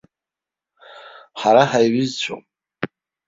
Ҳара ҳаиҩызцәоуп.